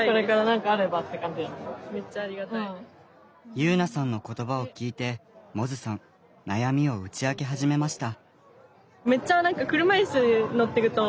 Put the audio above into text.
結菜さんの言葉を聞いて百舌さん悩みを打ち明け始めました。